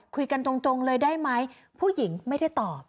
คุยกันตรงเลยได้ไหมผู้หญิงไม่ได้ตอบ